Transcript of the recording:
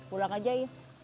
pulang aja ya